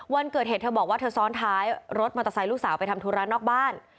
วันเกิดเหตุเธอบอกว่าเธอซ้อนท้ายรถมอเตอร์ไซค์ลูกสาวไปทำธุระนอกบ้าน